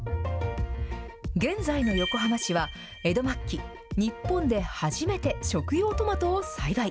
現在の横浜市は、江戸末期、日本で初めて食用トマトを栽培。